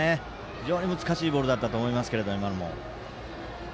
非常に難しいボールだと思います、今のも。